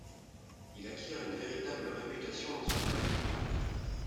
Il acquiert une véritable réputation dans ce domaine.